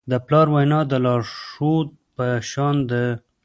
د پلار وینا د لارښود په شان ده.